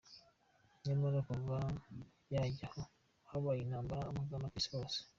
Nyamara kuva yajyaho, habaye intambara amagana ku isi hose.